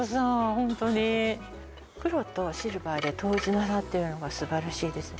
ほんとに黒とシルバーで統一なさってるのが素晴らしいですね